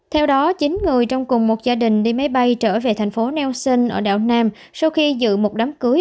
theo đó chín người trong cùng một gia đình đi máy bay trở về thành phố neosion ở đảo nam sau khi dự một đám cưới